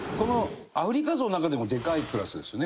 アフリカゾウの中でもデカいクラスですよね？